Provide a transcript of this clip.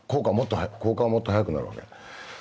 硬化はもっと早くなるわけ。